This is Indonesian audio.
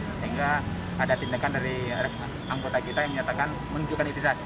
sehingga ada tindakan dari anggota kita yang menyatakan menunjukkan identitas